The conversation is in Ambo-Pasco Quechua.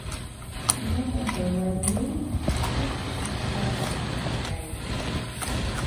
Nuqapa wayii uqshawan qatashqam kaykan.